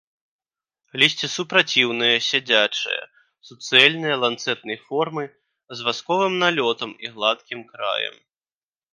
Лісце супраціўнае, сядзячае, суцэльнае, ланцэтнай формы, з васковым налётам і гладкім краем.